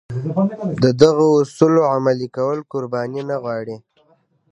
د دغو اصولو عملي کول قرباني نه غواړي.